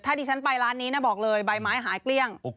ถ้าดิฉันไปร้านนี้นะบอกเลยใบไม้หายเกลี้ยง